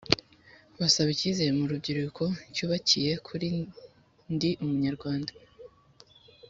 Basaba icyizere mu rubyiruko cyubakiye kuri Ndi Umunyarwanda